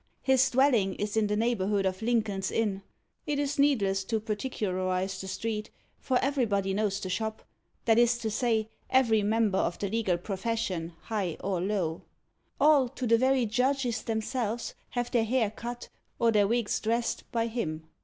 His dwelling is in the neighbourhood of Lincoln's Inn. It is needless to particularise the street, for everybody knows the shop; that is to say, every member of the legal profession, high or low. All, to the very judges themselves, have their hair cut, or their wigs dressed, by him.